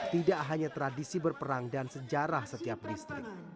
tidak hanya tradisi berperang dan sejarah setiap distrik